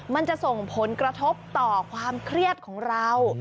มันจะส่งผลกระทบต่อความเครียดของเรา